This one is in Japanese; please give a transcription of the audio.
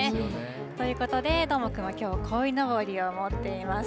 ということで、どーもくんきょうはこいのぼりを持っています。